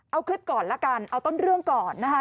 เอาคลิปก่อนละกันเอาต้นเรื่องก่อนนะคะ